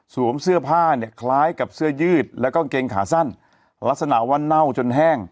เสื้อผ้าเนี่ยคล้ายกับเสื้อยืดแล้วก็กางเกงขาสั้นลักษณะว่าเน่าจนแห้ง